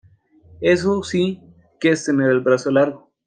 Eso sí que es tener el brazo largo.